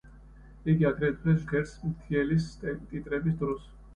იგი აგრეთვე ჟღერს „მთიელის“ ტიტრების დროს.